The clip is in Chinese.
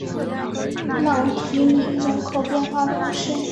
朗提尼人口变化图示